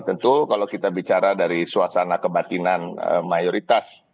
tentu kalau kita bicara dari suasana kebatinan mayoritas